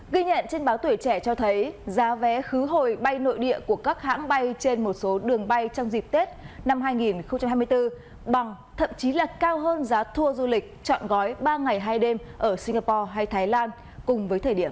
ghi nhận trên báo tuổi trẻ cho thấy giá vé khứ hồi bay nội địa của các hãng bay trên một số đường bay trong dịp tết năm hai nghìn hai mươi bốn bằng thậm chí là cao hơn giá tour du lịch chọn gói ba ngày hai đêm ở singapore hay thái lan cùng với thời điểm